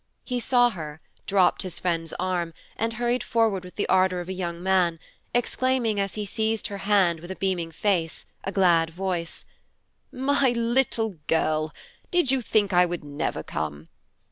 He saw her, dropped his friend's arm, and hurried forward with the ardor of a young man, exclaiming, as he seized her hand with a beaming face, a glad voice, "My little girl! Did you think I would never come?"